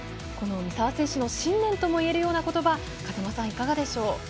この三澤選手の信念とも言えるような言葉風間さん、いかがでしょう。